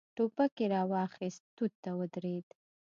ټوپک يې را واخيست، توت ته ودرېد.